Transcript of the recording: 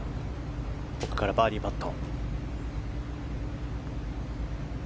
ここからバーディーパット。